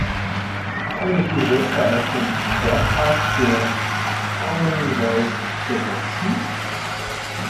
Kann ich die Sätze aus dem Bordcast für Commen Voice benutzen?